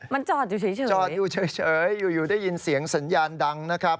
มันจอดอยู่เฉยอยู่ได้ยินเสียงสัญญาณดังนะครับ